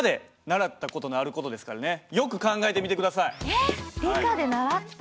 え理科で習った？